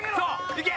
いけ！